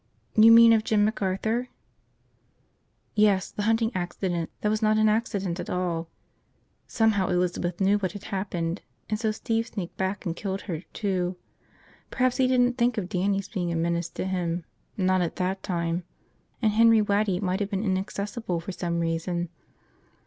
"You mean of Jim McArthur?" "Yes, the hunting accident that was not an accident at all. Somehow Elizabeth knew what had happened, and so Steve sneaked back and killed her, too. Perhaps he didn't think of Dannie's being a menace to him, not at that time. And Henry Waddy might have been inaccessible for some reason.